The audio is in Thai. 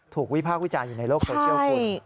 วิพากษ์วิจารณ์อยู่ในโลกโซเชียลคุณ